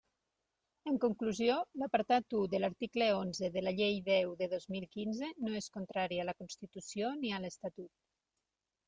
En conclusió, l'apartat u de l'article onze de la Llei deu de dos mil quinze no és contrari a la Constitució ni a l'Estatut.